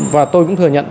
và tôi cũng thừa nhận